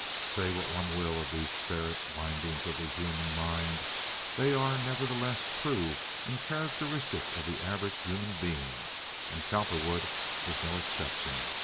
Say what one will of these ferret windings of the human mind, they are, nevertheless, true and characteristic of the average human being, and Cowperwood was no exception.